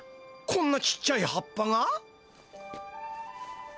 こんなちっちゃい葉っぱが？